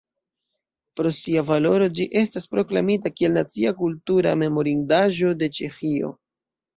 Pro sia valoro ĝi estas proklamita kiel Nacia kultura memorindaĵo de Ĉeĥio.